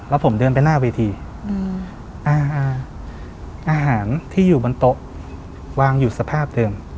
แล้วผมเดินไปหน้าเวทีอาหารที่อยู่บนโต๊ะวางอยู่สภาพเดิม